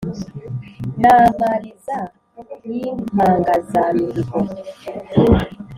n' amariza y' impangazamihigo